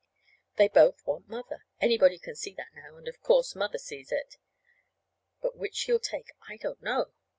They both want Mother. Anybody can see that now, and, of course, Mother sees it. But which she'll take I don't know.